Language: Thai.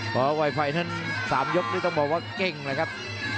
เพราะไวไฟนั้น๓ยกนี่ต้องบอกว่าเก่งเลยครับ